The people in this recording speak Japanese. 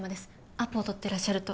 アポを取ってらっしゃると。